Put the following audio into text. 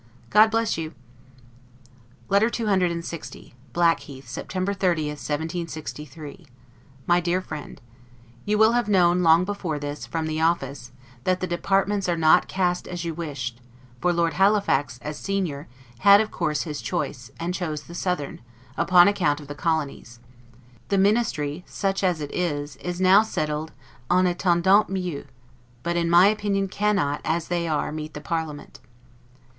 God bless you! LETTER CCLX BLACKHEATH, September 30, 1763 MY DEAR FRIEND: You will have known, long before this, from the office, that the departments are not cast as you wished; for Lord Halifax, as senior, had of course his choice, and chose the southern, upon account of the colonies. The Ministry, such as it is, is now settled 'en attendant mieux'; but, in, my opinion cannot, as they are, meet the parliament.